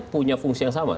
punya fungsi yang sama